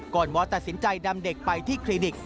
หมอตัดสินใจนำเด็กไปที่คลินิก